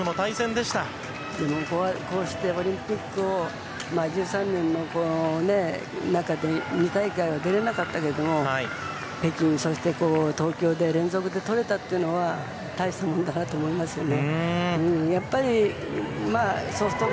でもこうしてオリンピック、１３年の中で２大会は出れなかったけども北京、そして東京と連続でとれたっていうのは大したもんだなと思いますよね。